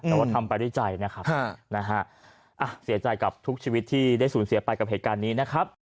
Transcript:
แต่ว่าทำไปด้วยใจนะครับเสียใจกับทุกชีวิตที่ได้สูญเสียไปกับเหตุการณ์นี้นะครับ